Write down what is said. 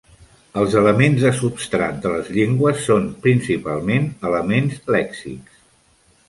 Els elements de substrat de les llengües són principalment elements lèxics.